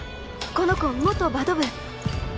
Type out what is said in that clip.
この子元バド部。